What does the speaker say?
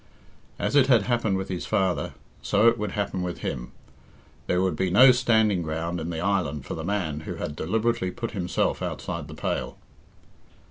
As it had happened with his father, so it would happen with him there would be no standing ground in the island for the man who had deliberately put himself outside the pale.